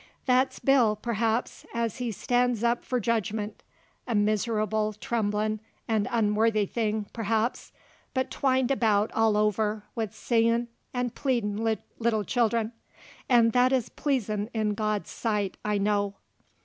That's Bill, perhaps, as he stands up f'r jedgment, a miserable, tremblin', 'nd unworthy thing, perhaps, but twined about, all over, with singin' and pleadin' little children and that is pleasin' in God's sight, I know.